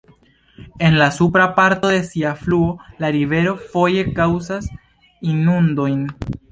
En la supra parto de sia fluo la rivero foje kaŭzas inundojn.